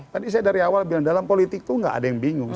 tadi saya dari awal bilang dalam politik tuh gak ada yang bingung